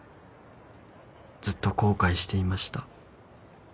「ずっと後悔していました」